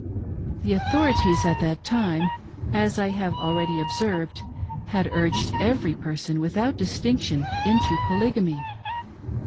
The authorities at that time — as I have already observed — had urged every person, without distinction, into Polygamy.